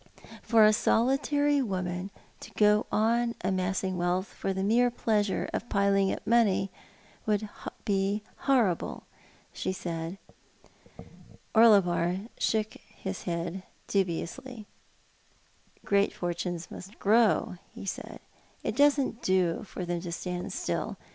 " For a solitary woman to go on amassing wealth for the mere i>leasnre of veiling up money would Iv horrible," she said. Orlelvxr shotik his heal dubiously. "Groat fortunes must grow," he said; "it doesn't do for 198 Thoit art the Ma7i. them to stand still.